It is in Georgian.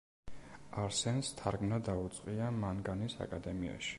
არსენს თარგმნა დაუწყია მანგანის აკადემიაში.